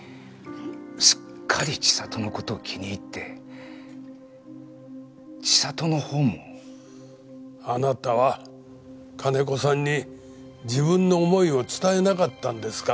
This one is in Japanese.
すっかり千里の事を気に入って千里のほうも。あなたは金子さんに自分の思いを伝えなかったんですか？